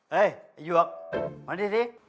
เฮ้ยไอ้ยวกมานี่สิ